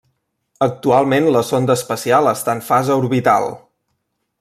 Actualment la sonda espacial està en fase orbital.